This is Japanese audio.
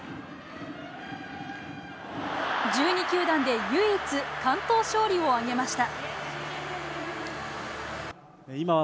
１２球団で唯一完投勝利を挙げました。